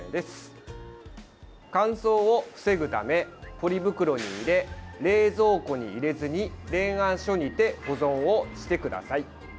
乾燥を防ぐためポリ袋に入れ冷蔵庫に入れずに冷暗所にて保存をしてください。